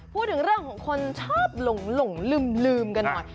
พูดถึงเรื่องของคนชอบหลงลืมกันหน่อย